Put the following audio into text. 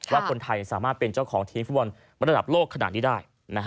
ว่าคนไทยสามารถเป็นเจ้าของทีมฟุตบอลระดับโลกขนาดนี้ได้